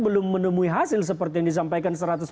belum menemui hasil seperti yang disampaikan